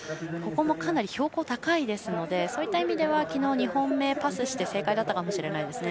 ここもかなり標高が高いですのでそういった意味では昨日、２本目をパスして正解だったかもしれません。